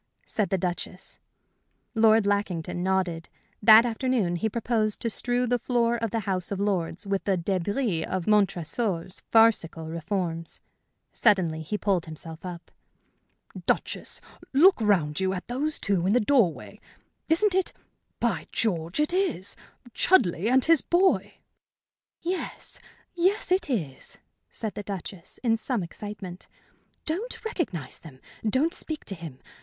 said the Duchess. Lord Lackington nodded. That afternoon he proposed to strew the floor of the House of Lords with the débris of Montresor's farcical reforms. Suddenly he pulled himself up. "Duchess, look round you, at those two in the doorway. Isn't it by George, it is! Chudleigh and his boy!" "Yes yes, it is," said the Duchess, in some excitement. "Don't recognize them. Don't speak to him.